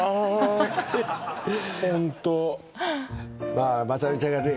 ホントまあまさみちゃんがね